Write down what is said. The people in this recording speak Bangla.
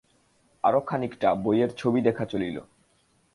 আরও খানিকটা বইয়ের ছবি দেখা চলিল।